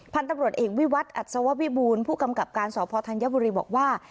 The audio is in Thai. พันธุ์ตำรวจเอกวิวัตรอัศววิบูรณ์ผู้กำกับการสพธัญบุรีบอกว่า